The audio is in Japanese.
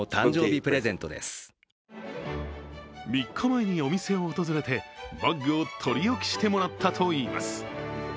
３日前にお店を訪れて、バッグを取り置きしてもらったといいます